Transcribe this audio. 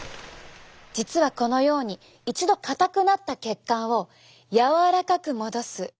実はこのように一度硬くなった血管を柔らかく戻す。